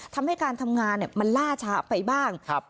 ทำให้การทำงานมันล่าช้าไปบ้าง